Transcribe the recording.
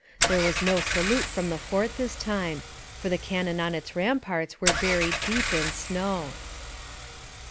There was no salute from the fort this time, for the cannon on its ramparts were buried deep in snow.